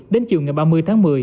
đến chiều ngày ba mươi tháng một mươi